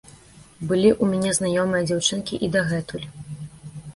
Былі ў мяне знаёмыя дзяўчынкі і дагэтуль.